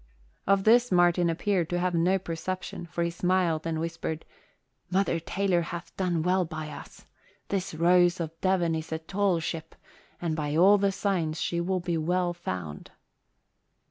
Of this Martin appeared to have no perception, for he smiled and whispered, "Mother Taylor hath done well by us. This Rose of Devon is a tall ship and by all the signs she will be well found."